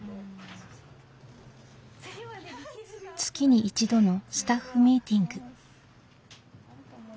月に１度のスタッフミーティング。